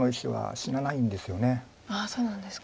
そうなんですか。